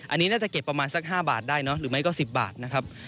อันนี้น่าจะเก็บประมาณสัก๕บาทได้เนอะหรือไม่ก็๑๐บาทนะครับ